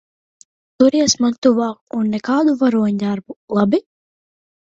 Turies man tuvāk un nekādu varoņdarbu, labi?